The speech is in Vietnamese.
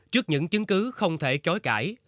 trước những chứng cứ không thể chối cãi